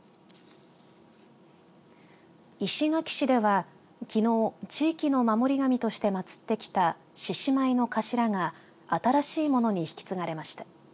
石垣市ではきのう、地域の守り神として祭ってきた獅子舞の頭が新しいものに引き継がれました。